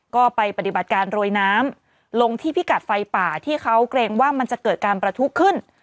ก็ไปปฏิบัติการโรยน้ำลงที่พิกัดไฟป่าที่เขาเกรงว่ามันจะเกิดการประทุขึ้น